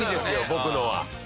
僕のは。